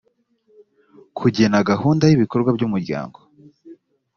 kugena gahunda y’ibikorwa by’umuryango